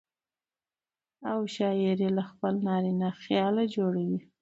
او شاعر يې له خپل نارينه خياله جوړوي.